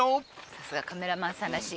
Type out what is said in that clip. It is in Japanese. さすがカメラマンさんらしい。